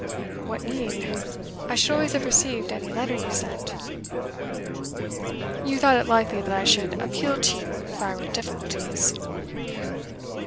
'What need? I should always have received any letter you sent.' 'You thought it likely that I should appeal to you if I were in difficulties.